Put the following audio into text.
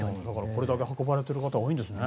これだけ運ばれている方が多いんですね。